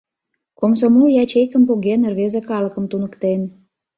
Комсомол ячейкым поген, рвезе калыкым туныктен.